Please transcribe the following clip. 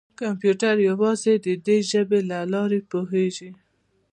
کمپیوټر یوازې د دې ژبې له لارې پوهېږي.